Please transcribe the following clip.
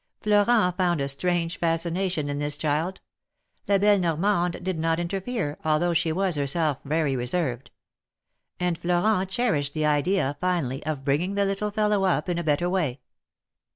Florent found a strange fascination in this child. La belle Normande did not interfere, although she was her self very reserved ; and Florent cherished the idea finally, of bringing the little fellow up in a better way.